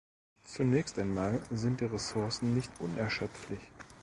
Zunächst einmal sind die Ressourcen nicht unerschöpflich.